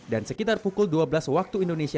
dan sekitar pukul dua belas waktu indonesia